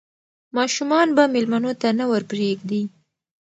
ماشومان به مېلمنو ته نه ور پرېږدي.